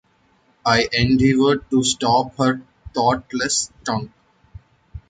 I endeavoured to stop her thoughtless tongue.